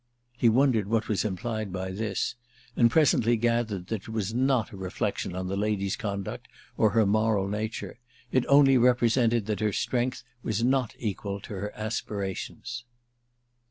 He wondered what was implied by this, and presently gathered that it was not a reflexion on the lady's conduct or her moral nature: it only represented that her strength was not equal to her aspirations.